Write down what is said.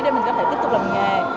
để mình có thể tiếp tục làm nghề